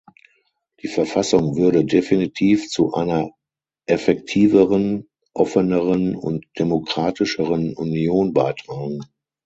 Die Verfassung würde definitiv zu einer effektiveren, offeneren und demokratischeren Union beitragen.